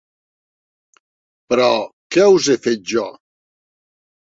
Però, què us he fet, jo?